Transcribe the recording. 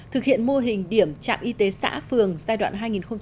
thực hiện mô hình điểm trạm y tế xã phường giai đoạn hai nghìn một mươi sáu hai nghìn hai mươi